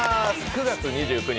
９月２９日